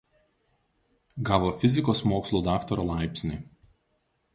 Gavo fizikos mokslų daktaro laipsnį.